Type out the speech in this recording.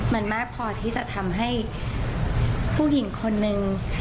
มันมากพอที่จะทำให้ผู้หญิงคนนึง